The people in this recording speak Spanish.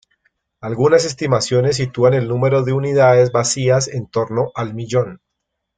Algunas estimaciones sitúan el número de unidades vacías en torno al millón.